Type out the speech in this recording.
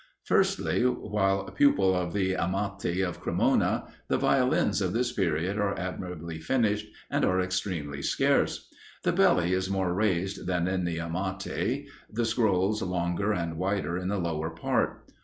Firstly, while pupil of the Amati of Cremona: the Violins of this period are admirably finished, and are extremely scarce. The belly is more raised than in the Amati, the scrolls longer and wider in the lower part.